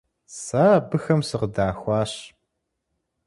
Сэ абыхэм сыкъыдахуащ.